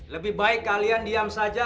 lebih baik kalian diam saja